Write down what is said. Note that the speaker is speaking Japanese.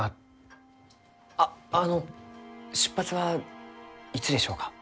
ああの出発はいつでしょうか？